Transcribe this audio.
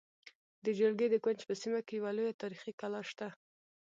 د جلگې د کونج په سیمه کې یوه لویه تاریخې کلا شته